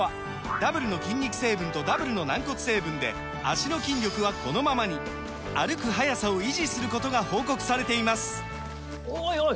ダブルの筋肉成分とダブルの軟骨成分で脚の筋力はこのままに歩く速さを維持することが報告されていますおいおい！